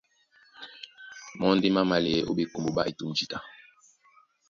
Mɔ́ ndé má mālɛɛ́ ó ɓekombo ɓá etûm jǐta.